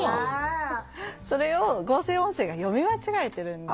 それを合成音声が読み間違えてるんです。